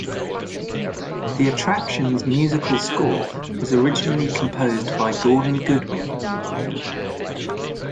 The attraction's musical score was originally composed by Gordon Goodwin.